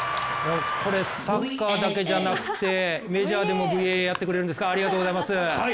これサッカーだけじゃなくてメジャーでもＶＡＡやってくれるんですか、ありがとうございます。